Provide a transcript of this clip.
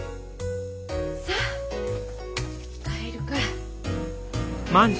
さあ帰るか。